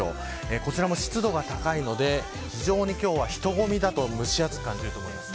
こちらも湿度が高いので非常に今日は人込みだと蒸し暑く感じると思います。